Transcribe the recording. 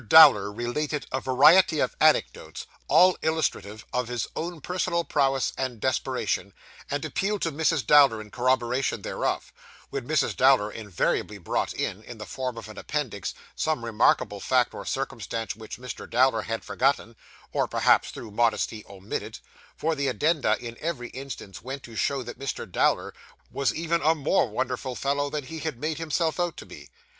Dowler related a variety of anecdotes, all illustrative of his own personal prowess and desperation, and appealed to Mrs. Dowler in corroboration thereof; when Mrs. Dowler invariably brought in, in the form of an appendix, some remarkable fact or circumstance which Mr. Dowler had forgotten, or had perhaps through modesty, omitted; for the addenda in every instance went to show that Mr. Dowler was even a more wonderful fellow than he made himself out to be.